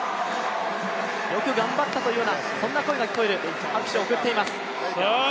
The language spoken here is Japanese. よく頑張ったというような、そんな声が聞こえる拍手を送っています。